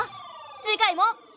次回も。